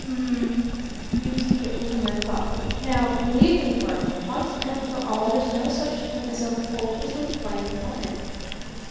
"U m m," mused the Older Man thoughtfully. "Now believe me, Barton, once and for all, there 's no such thing as a 'hopelessly plain woman'!